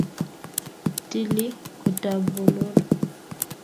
Tili kotab Bololo